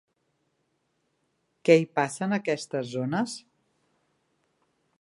Què hi passa en aquestes zones?